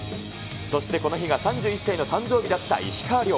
そしてこの日が３１歳の誕生日だった石川遼。